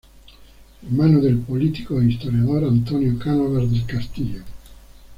Hermano del político e historiador Antonio Cánovas del Castillo.